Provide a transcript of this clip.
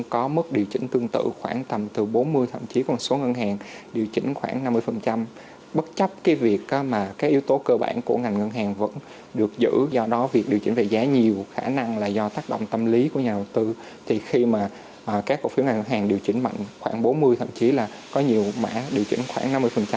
khi mà các cổ phiếu ngân hàng điều chỉnh mạnh khoảng bốn mươi thậm chí là có nhiều mã điều chỉnh khoảng năm mươi